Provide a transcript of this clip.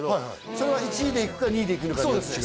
それは１位で行くか２位で行くのかによって違う？